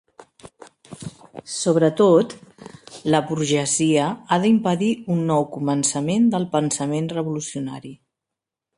Sobretot, la burgesia ha d'impedir un nou començament del pensament revolucionari.